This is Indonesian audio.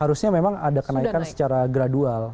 harusnya memang ada kenaikan secara gradual